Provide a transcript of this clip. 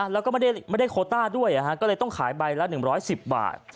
แล้วก็ไม่ได้โคต้าด้วยก็เลยต้องขายใบละ๑๑๐บาท